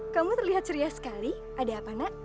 kamu terlihat ceria sekali ada apa nak